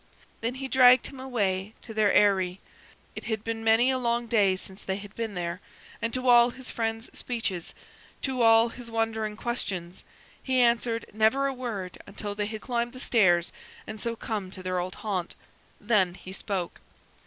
Then he dragged him away to their Eyry it had been many a long day since they had been there and to all his friend's speeches, to all his wondering questions, he answered never a word until they had climbed the stairs, and so come to their old haunt. Then he spoke.